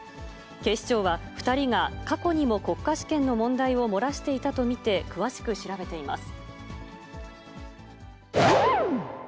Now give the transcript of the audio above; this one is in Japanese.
警視庁は２人が過去にも国家試験の問題を漏らしていたと見て、詳しく調べています。